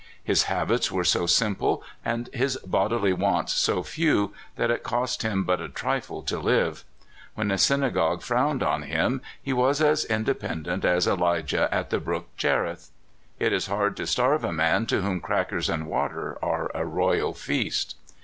His habits were so simple and his bodily wants so few that it cost him but a trifle to live. When the synagogue frowned on him, he was as independent as Elijah at the brook Cherith. It is hard to starve a man to whom crackers and water are a royal feast.